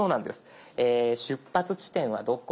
「出発地点はどこ」